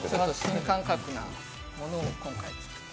新感覚なものを作って。